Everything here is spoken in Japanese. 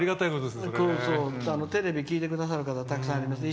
テレビ、聞いてくださる方たくさんいますが。